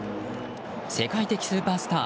世界的スーパースター